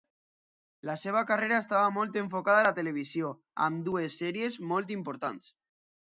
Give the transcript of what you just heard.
La seva carrera estava molt enfocada a la televisió, amb dues sèries molt importants.